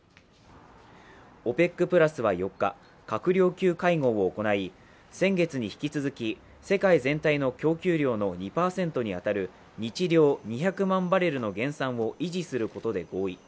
ＯＰＥＣプラスは、４日閣僚級会合を行い、先月に引き続き世界全体の供給量の２％に当たる日量２００万バレルの減産を維持することで合意。